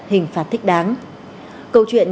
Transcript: hình phạt thích đáng câu chuyện